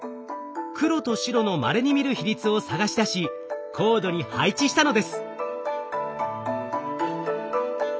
黒と白のまれに見る比率を探し出しコードに配置したのです。